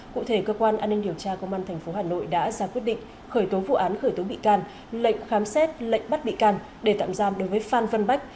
cụ thể cơ quan an ninh điều tra công an tp hà nội đã ra quyết định khởi tố vụ án khởi tố bị can lệnh khám xét lệnh bắt bị can để tạm giam đối với phan vân bách